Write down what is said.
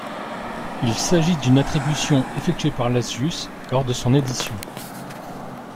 Il s'agit d'une attribution effectué par Lazius lors de son édition.